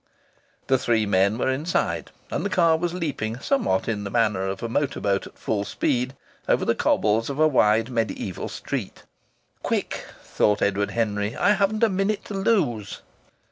The three men were inside, and the car was leaping, somewhat in the manner of a motor boat at full speed, over the cobbles of a wide mediaeval street. "Quick!" thought Edward Henry. "I haven't a minute to lose!"